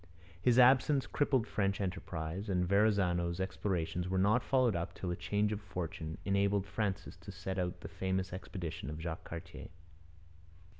His absence crippled French enterprise, and Verrazano's explorations were not followed up till a change of fortune enabled Francis to send out the famous expedition of Jacques Cartier.